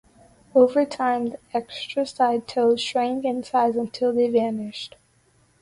Over time, the extra side toes shrank in size until they vanished.